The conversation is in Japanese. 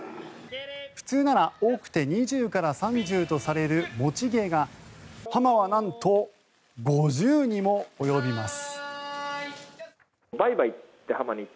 普通なら、多くて２０から３０とされる持ち芸がハマはなんと５０にも及びます。